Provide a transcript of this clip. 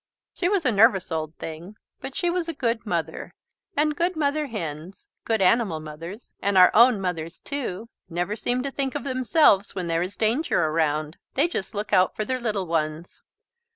She was a nervous old thing, but she was a good mother, and good mother hens, good animal mothers, and our own mothers too, never seem to think of themselves when there is danger around. They just look out for their little ones.